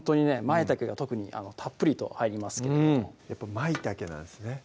まいたけが特にたっぷりと入りますけどもやっぱ「まいたけ」なんですね